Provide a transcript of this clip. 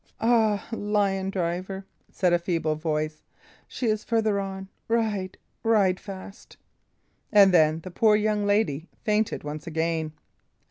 "Ah! lion driver!" said a feeble voice. "She is farther on. Ride ride fast!" And then the poor young lady fainted once again.